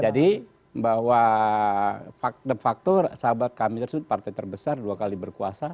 jadi bahwa faktor sahabat kami tersebut partai terbesar dua kali berkuasa